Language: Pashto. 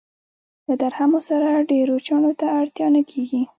له درهمو سره ډېرو چنو ته اړتیا نه کېږي.